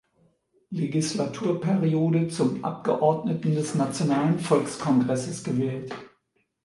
Legislaturperiode zum Abgeordneten des Nationalen Volkskongresses gewählt.